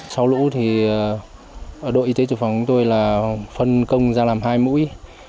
sau lũ thì đội y tế chủ phòng của tôi là phân công ra làm hai mũi